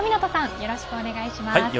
よろしくお願いします。